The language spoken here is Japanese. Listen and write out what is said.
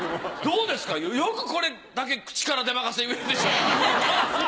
どうですかよくこれだけ口から出まかせ言えるでしょ。